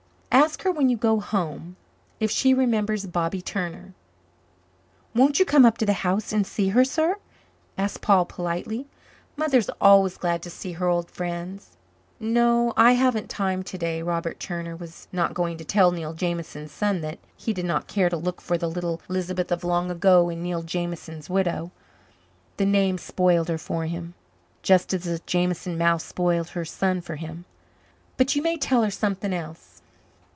Ask her when you go home if she remembers Bobby Turner." "Won't you come up to the house and see her, sir?" asked Paul politely. "Mother is always glad to see her old friends." "No, I haven't time today." Robert Turner was not going to tell Neil Jameson's son that he did not care to look for the little Lisbeth of long ago in Neil Jameson's widow. The name spoiled her for him, just as the Jameson mouth spoiled her son for him. "But you may tell her something else.